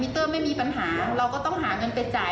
เตอร์ไม่มีปัญหาเราก็ต้องหาเงินไปจ่าย